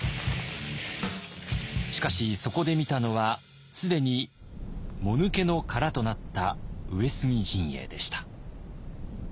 しかしそこで見たのは既にもぬけの殻となった上杉陣営でした。